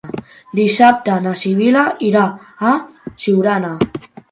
Dissabte na Sibil·la irà a Siurana.